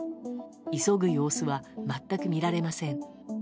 急ぐ様子は全く見られません。